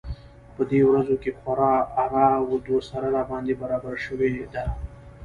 په دې ورځو کې خورا اره و دوسره راباندې برابره شوې ده.